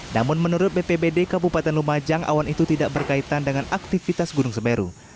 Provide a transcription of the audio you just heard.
namun menurut bpbd kabupaten lumajang awan itu tidak berkaitan dengan aktivitas gunung semeru